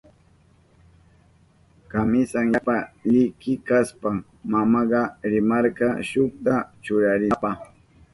Kamisan yapa liki kashpan mamanka rimarka shukta churarinanpa.